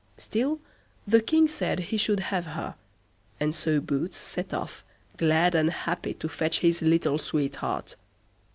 Still the King said he should have her, and so Boots set off, glad and happy to fetch his little sweetheart.